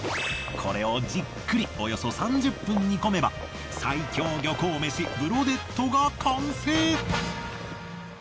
これをじっくりおよそ３０分煮込めば最強漁港飯ブロデットが完成！